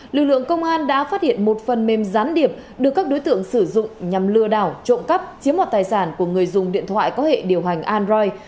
lực lượng công an đã phát hiện một phần mềm gián điệp được các đối tượng sử dụng nhằm lừa đảo trộm cắp chiếm mọt tài sản của người dùng điện thoại có hệ điều hành android